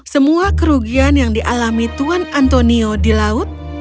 semua kerugian yang dialami tuan antonio di laut